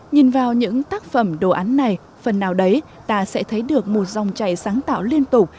nhìn vào những tác phẩm đồ án này phần nào đấy ta sẽ thấy được một dòng chạy sáng tạo liên tục